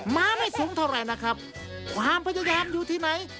มาไม่สูงเท่าไหร่นะครับความพยายามอยู่ที่ไหน